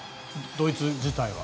ドイツ自体は。